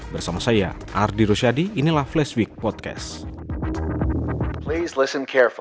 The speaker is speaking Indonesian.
bersama saya ardi rusyadi inilah flash week podcast